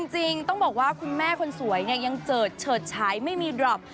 จริงต้องบอกว่าคุณแม่คนสวยเนี่ยยังเจิดเฉิดฉายไม่มีดรอป